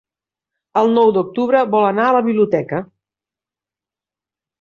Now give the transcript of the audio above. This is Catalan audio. El nou d'octubre vol anar a la biblioteca.